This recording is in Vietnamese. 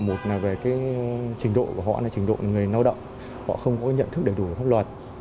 một là về cái trình độ của họ là trình độ người lao động họ không có nhận thức đầy đủ pháp luật